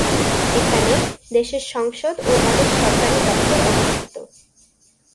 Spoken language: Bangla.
এখানে দেশের সংসদ ও অনেক সরকারি দপ্তর অবস্থিত।